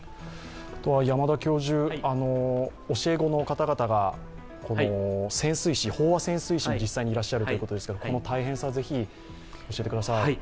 山田教授、教え子の方々がこの飽和潜水士でいらっしゃるということで実際にいらっしゃるということですが、その大変さをぜひ、教えてください。